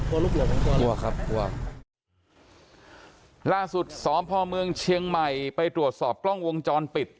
ลูกเหลือมันกลัวกลัวครับกลัวล่าสุดสพเมืองเชียงใหม่ไปตรวจสอบกล้องวงจรปิด